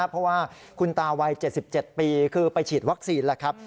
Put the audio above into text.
เพราะว่าคุณตาวัย๗๗ปีคือไปฉีดวัคซีนแล้วครับ